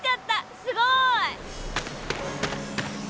すごい！